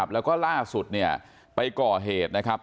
แล้วก็ล่าสุดไปก่อเหตุนะครับ